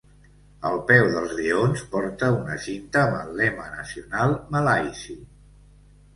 Al peu dels lleons porta una cinta amb el lema nacional malaisi.